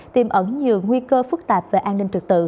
tìm ẩn nhiều nguy cơ phức tạp và an ninh